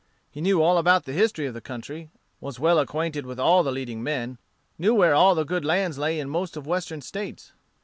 He knew all about the history of the country; was well acquainted with all the leading men; knew where all the good lands lay in most of Western States.